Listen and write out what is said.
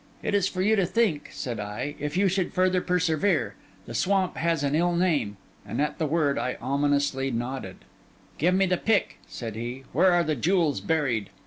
'It is for you to think,' said I, 'if you should further persevere. The swamp has an ill name.' And at the word I ominously nodded. 'Give me the pick,' said he. 'Where are the jewels buried?